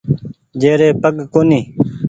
جيري پگ ڪونيٚ ۔